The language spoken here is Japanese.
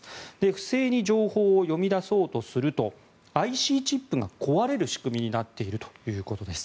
不正に情報を読み出そうとするとＩＣチップが壊れる仕組みになっているということです。